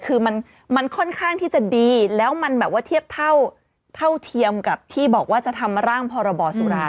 คือมันค่อนข้างที่จะดีแล้วมันแบบว่าเทียบเท่าเทียมกับที่บอกว่าจะทำร่างพรบสุรา